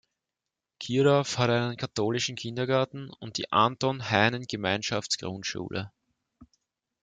Kirdorf hat einen katholischen Kindergarten und die "Anton-Heinen-Gemeinschaftsgrundschule".